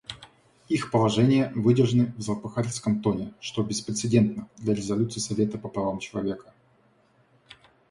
Их положения выдержаны в злопыхательском тоне, что беспрецедентно для резолюций Совета по правам человека.